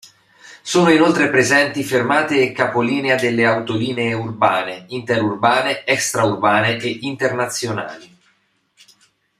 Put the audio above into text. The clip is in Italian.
Sono inoltre presenti fermate e capolinea delle autolinee urbane, interurbane, extraurbane e internazionali.